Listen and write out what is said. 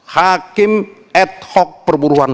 hakim ad hoc perburuan